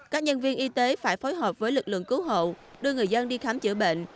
các nhân viên y tế phải phối hợp với lực lượng cứu hộ đưa người dân đi khám chữa bệnh